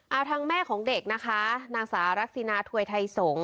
เอาทางแม่ของเด็กนะคะนางสารักษินาถวยไทยสงศ